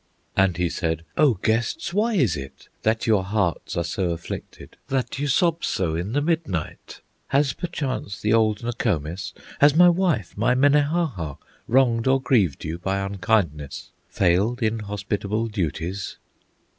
And he said: "O guests! why is it That your hearts are so afflicted, That you sob so in the midnight? Has perchance the old Nokomis, Has my wife, my Minnehaha, Wronged or grieved you by unkindness, Failed in hospitable duties?"